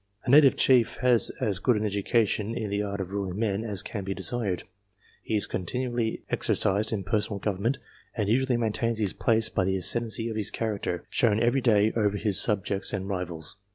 A native chief has as good an education in the art of ruling men as can be desired ; he is con tinually exercised in personal government, and usually maintains his place by the ascendency of his character, shown every day over his subjects and rivals.